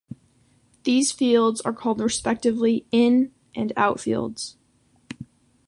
These fields are called respectively "in" and "out" fields.